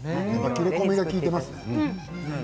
切れ込みが効いていますね。